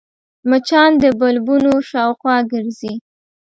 مچان د بلبونو شاوخوا ګرځي